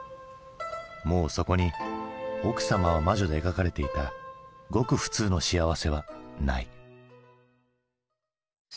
もうそこに「奥さまは魔女」で描かれていたごく普通の幸せはない。